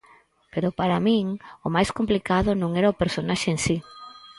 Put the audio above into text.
Pero para min o máis complicado non era o personaxe en si.